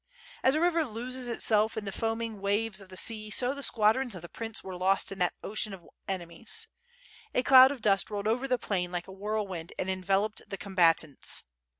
As a river loses itself in the foaming waves of the sea, so the squadrons of the prince were lost in that ocean of ene mies. A cloud of dust rolled over the plain like a whirl wind and enveloped the combatants.